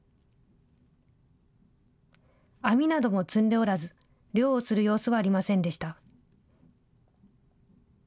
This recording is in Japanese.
網なども積んでおらず、漁をする様子はありませんでした。